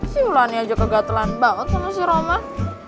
si wulannya aja kegatelan banget sama si roman